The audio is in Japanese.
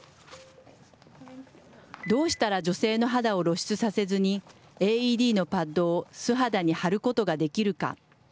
どうしたら女性の肌を露出させずにＡＥＤのパッドを素肌に貼ることができるか。